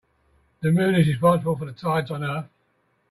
The moon is responsible for tides on earth.